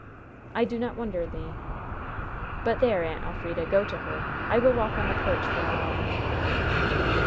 "I do not wonder, Le." "But there, Aunt Elfrida. Go to her! I will walk on the porch for a while."